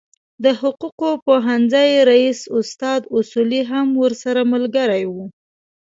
د حقوقو پوهنځي رئیس استاد اصولي هم ورسره ملګری و.